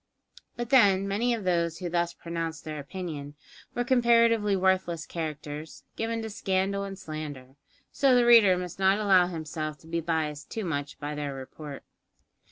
But then, many of those who thus pronounced their opinion, were comparatively worthless characters, given to scandal and slander; so the reader must not allow himself to be biassed too much by their report.